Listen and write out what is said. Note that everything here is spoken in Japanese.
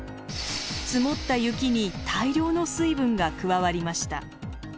積もった雪に大量の水分が加わりました。